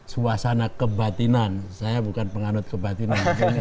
suasana kebatinan saya bukan penganut kebatinan